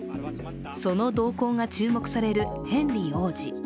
その動向が注目されるヘンリー王子。